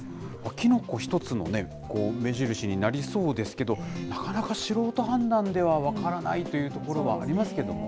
キノコ１つも目印になりそうですけど、なかなか素人判断では分からないというところがありますけども。